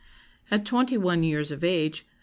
] "At twenty one years of age ...